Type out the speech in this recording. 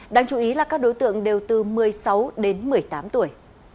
đáng chú ý là các đối tượng đều từ một mươi sáu đến một mươi tám tuổi